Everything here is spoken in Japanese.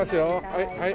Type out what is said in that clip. はいはい。